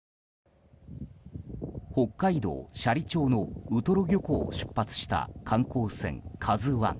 北海道斜里町のウトロ漁港を出発した観光船「ＫＡＺＵ１」。